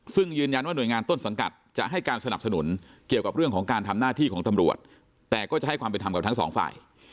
ซึ่งยืนยันว่าหน่วยงานต้นสังกัดจะให้การสนับสนุนเกี่ยวกับเรื่องของการทำหน้าที่ของตำรวจแต่ก็จะให้ความเป็นธรรมกับทั้งสองฝ่าย